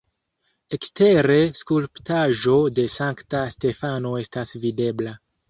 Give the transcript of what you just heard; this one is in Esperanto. Ekstere skulptaĵo de Sankta Stefano estas videbla.